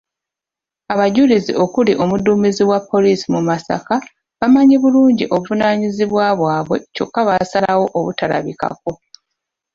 Abajulizi okuli omuduumizi wa poliisi mu Masaka bamanyi bulungi obuvunaanyizibwa bwabwe kyokka baasalawo obutalabikako.